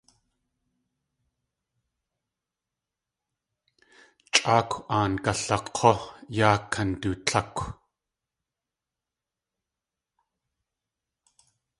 Chʼáakw aan galak̲ú yaa kandutlákw.